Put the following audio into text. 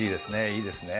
いいですね。